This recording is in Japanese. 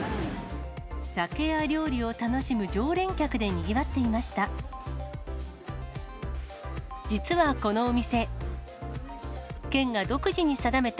酒や料理を楽しむ常連客でにぎわっていました。